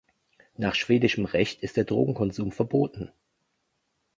Nach schwedischem Recht ist der Drogenkonsum verboten.